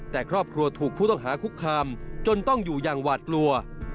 แต่ครอบครัวถูกผู้ต้องหาคุกคามจนต้องอยู่อย่างหวาดกลัว